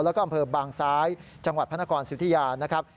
แล้วก็อำเภอบางซ้ายจังหวัดพระนครสุธิยานะครับ